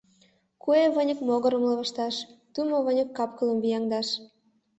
Куэ выньык — могырым лывыжташ, тумо выньык — кап-кылым вияҥдаш.